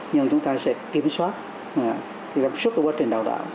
nhưng chúng ta sẽ kiểm soát thì làm suốt cái quá trình đạo đạo